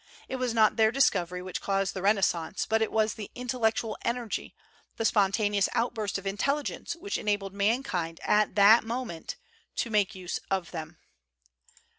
It was not their discovery which caused the Renaissance; but it was the intellectual energy, the spontaneous outburst of intelligence which enabled mankind at that moment to make use of them."